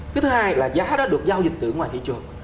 cái thứ hai là giá đã được giao dịch từ ngoài thị trường